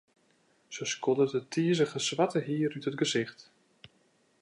Se skoddet it tizige swarte hier út it gesicht.